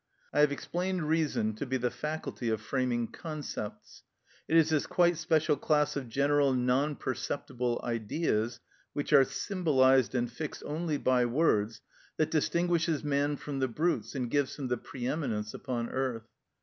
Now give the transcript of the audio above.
I have explained reason to be the faculty of framing concepts. It is this quite special class of general non perceptible ideas, which are symbolised and fixed only by words, that distinguishes man from the brutes and gives him the pre eminence upon earth.